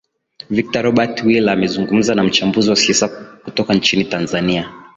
victor robert willi amezungumza na mchambuzi wa siasa kutoka nchini tanzania